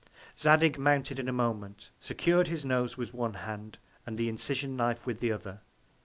Zadig mounted in a Moment; secur'd his Nose with one Hand, and the Incision Knife with the other.